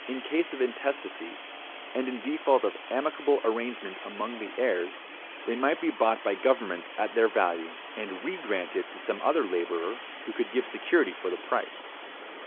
In case of intestacy, and in default of amicable arrangement among the heirs, they might be bought by government at their value, and re granted to some other laborer who could give security for the price.